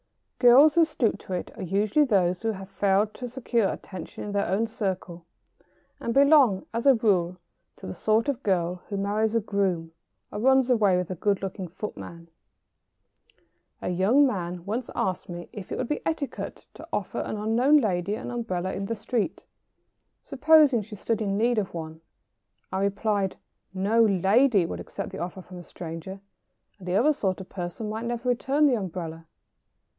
[Sidenote: The offenders.] Girls who stoop to it are usually those who have failed to secure attention in their own circle, and belong, as a rule, to the sort of girl who marries a groom or runs away with a good looking footman. [Sidenote: Offering an unknown lady an umbrella.] A young man once asked me if it would be etiquette to offer an unknown lady an umbrella in the street, supposing she stood in need of one. I replied: "No lady would accept the offer from a stranger, and the other sort of person might never return the umbrella."